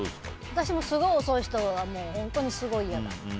私もすごい遅い人は本当にすごい嫌だ。